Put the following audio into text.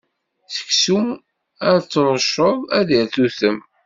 Seksu, ar t-trucceḍ, ad irtutem.